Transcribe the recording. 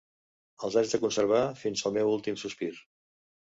Els haig de conservar fins al meu últim sospir.